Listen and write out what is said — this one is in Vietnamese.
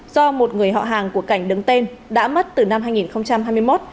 do một người họ hàng của cảnh đứng tên đã mất từ năm hai nghìn hai mươi một